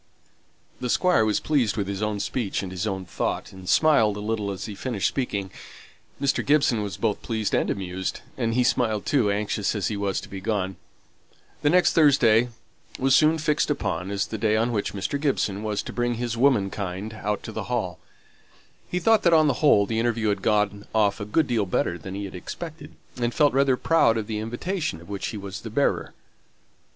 The Squire was pleased with his own speech and his own thought, and smiled a little as he finished speaking. Mr. Gibson was both pleased and amused; and he smiled too, anxious as he was to be gone. The next Thursday was soon fixed upon as the day on which Mr. Gibson was to bring his womenkind out to the Hall. He thought that, on the whole, the interview had gone off a good deal better than he had expected, and felt rather proud of the invitation of which he was the bearer.